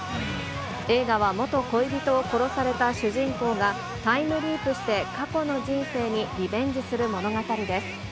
映画は元恋人を殺された主人公が、タイムリープして、過去の人生にリベンジする物語です。